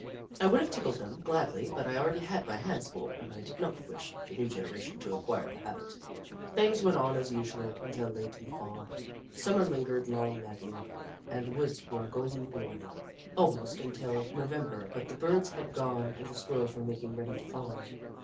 I would have tickled them, gladly, but I already had my hands full and I did not wish the new generation to acquire the habit. Things went on as usual until late in the Fall. Summer lingered long that year, and the woods were a golden glory almost until 104 The Book of Clever Beasts November, but the Birds had gone and the Squirrels were making ready to follow.